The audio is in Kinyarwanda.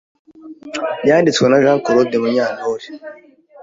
yanditswe na jean claude munyantore